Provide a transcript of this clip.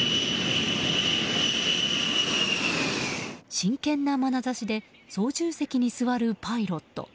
真剣なまなざしで操縦席に座るパイロット。